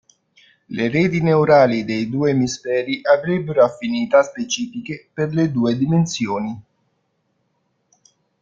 Le reti neurali dei due emisferi avrebbero affinità specifiche per le due dimensioni.